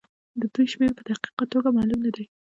د دوی شمېر په دقيقه توګه معلوم نه دی.